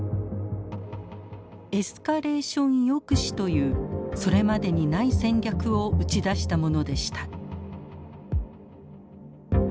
「エスカレーション抑止」というそれまでにない戦略を打ち出したものでした。